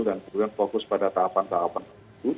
dan kemudian fokus pada tahapan tahapan itu